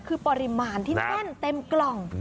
คือปริมาณที่แน่นเต็มกล่อง